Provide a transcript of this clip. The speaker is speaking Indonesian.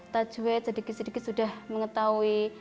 tajwe sedikit sedikit sudah mengetahui